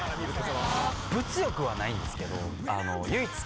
物欲はないんですけど。